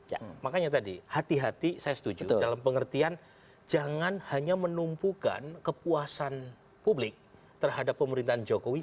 ya makanya tadi hati hati saya setuju dalam pengertian jangan hanya menumpukan kepuasan publik terhadap pemerintahan jokowi